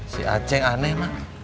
si acing aneh mak